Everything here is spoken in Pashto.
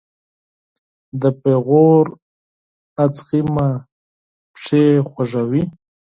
د پیغور اغزې مې پښې خوږوي